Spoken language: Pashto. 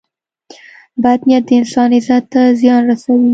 • بد نیت د انسان عزت ته زیان رسوي.